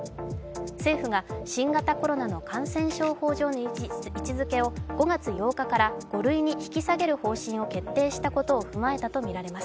政府が新型コロナの感染症法上の位置づけを５月８日から、５類に引き下げる方針を決定したことを踏まえたとみられます。